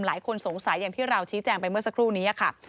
หลายคนสงสัยอย่างที่เราชี้แจงไปเมื่อสักครู่นี้ค่ะ